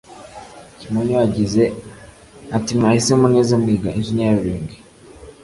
Kimonyo yagize ati “Mwahisemo neza mwiga ‘engineering’